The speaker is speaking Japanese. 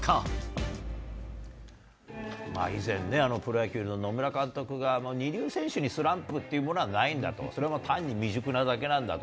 以前ね、プロ野球の野村監督が、二流選手にスランプってものはないんだと、それは単に未熟なだけなんだと。